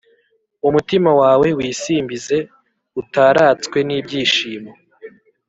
umutima wawe wisimbize, utaratswe n’ibyishimo,